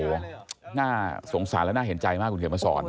มันหมายถึงเชื่อมน่าสงสารและน่าเห็นใจมากคุณเขียนมาสอน